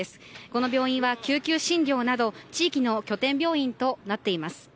この病院は救急診療など地域の拠点病院となっています。